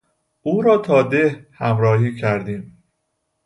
اورا تا ده همراهی کردیم